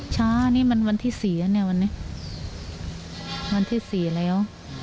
ช้านี่มันวันที่สี่แล้ววันที่สี่แล้ว